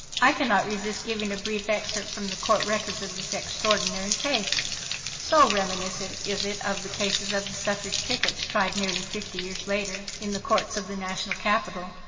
I cannot resist giving a brief excerpt from the court records of this extraordinary case, so reminiscent is it of the cases of the suffrage pickets tried nearly fifty years later in the courts of the national capital.